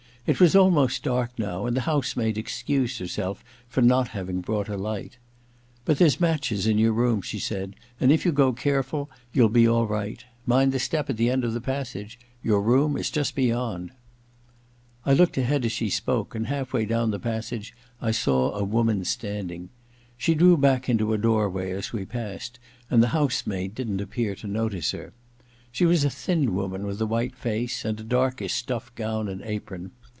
It was almost dark now, and the house maid excused herself for not having brought a light. ' But there's matches in your room,' she said, ^ and if you go care ful you'll be all right. Mind the step at the end of the passage. Your room is just beyond.* I looked ahead as she spoke, and half way down the passage I saw a woman standing. She drew back into a doorway as we passed and the house m^d didn't appear to notice her. She was a thin woman with a white face, and a darkish stuff gown and apron.